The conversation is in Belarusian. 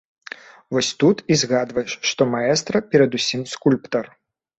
Вось тут і згадваеш, што маэстра перадусім скульптар.